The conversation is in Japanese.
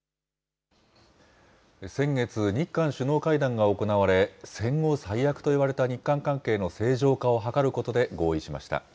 先月、日韓首脳会談が行われ、戦後最悪といわれた日韓関係の正常化を図ることで合意しました。